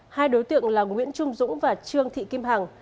hai đối tượng là nguyễn trung dũng và trương thị kim hằng